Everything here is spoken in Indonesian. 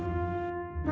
bapak saya bukan bapak gue